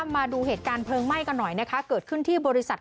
มาดูเหตุการณ์เพลิงไหม้กันหน่อยนะคะเกิดขึ้นที่บริษัท